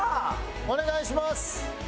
お願いします。